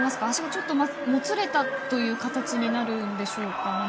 足がちょっともつれたという形になるんでしょうか。